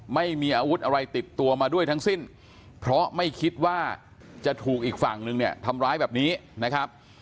ไม่มีอาวุธอะไรติดตัวมาด้วยทั้งสิ้นเพราะไม่คิดว่าจะถูกอีกฝั่งนึงเนี่ยทำร้ายแบบนี้นะครับ